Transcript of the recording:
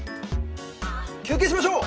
休憩しましょう！